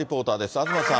東さん。